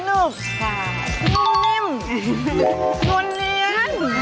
นุ่มเนียน